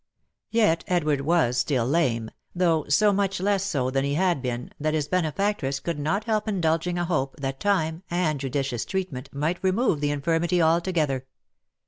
Yet Edward was still lame, though so much less so than he had been, that his benefactress could not help indulging a hope that time and judicious treatment might remove the infirmity alto gether.